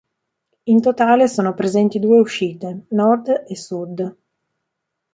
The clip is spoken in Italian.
In totale sono presenti due uscite, nord e sud.